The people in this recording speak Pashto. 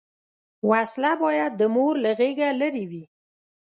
وسله باید د مور له غېږه لرې وي